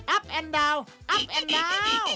อัพแอนดาวอัพแอนดาว